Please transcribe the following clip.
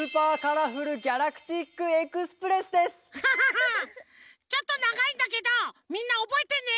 なづけてちょっとながいんだけどみんなおぼえてね！